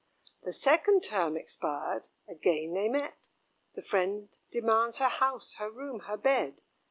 The second term expired, again they met: The friend demands her house, her room, her bed.